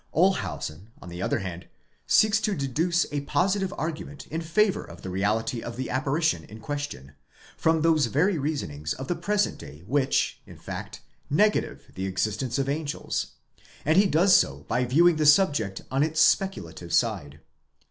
}7 Olshausen, on the other hand, seeks to deduce a positive argument in favour of the reality of the apparition in question, from those very reasonings of the present day which, in fact, negative the existence of angels; and he does so by viewing the subject on its speculative side.